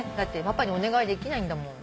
パパにお願いできないんだもん。